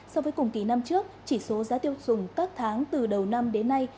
so với cùng kỳ năm trước chỉ số giá tiêu dùng các tháng từ đầu năm đến nay